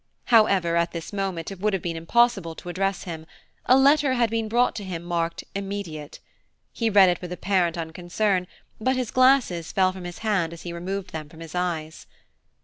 However, at this moment it would have been impossible to address him; a letter had been brought to him marked 'Immediate.' He read it with apparent unconcern, but his glasses fell from his hand as he removed them from his eyes.